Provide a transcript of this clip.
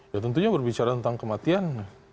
ya tentunya berbicara tentang kematian